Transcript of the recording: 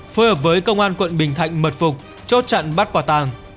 phối hợp với công an quận bình thạnh mật phục chốt chặn bắt quả tàng